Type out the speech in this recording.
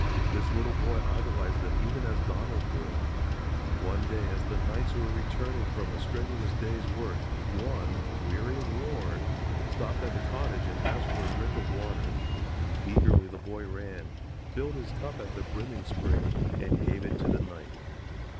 This little boy idolized them even as Donald did. One day as the knights were returning from a strenuous day's work, one, weary and worn, stopped at the cottage and asked for a drink of water. Eagerly the boy ran, filled his cup at the brimming spring, and gave it to the knight.